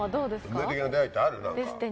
運命的な出会いってある？